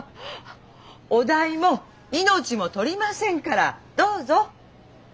お代も命も取りませんからどうぞ。